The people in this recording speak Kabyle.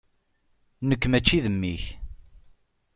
Nekk mačči d mmi-k.